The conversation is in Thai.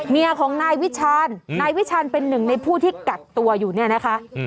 เมียของนายวิชาญนายวิชาณเป็นหนึ่งในผู้ที่กักตัวอยู่เนี่ยนะคะ